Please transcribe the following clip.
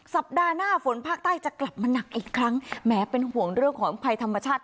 สัปดาห์หน้าฝนภาคใต้จะกลับมาหนักอีกครั้งแหมเป็นห่วงเรื่องของภัยธรรมชาติ